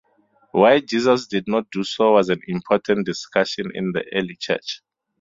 Why Jesus did not do so was an important discussion in the early church.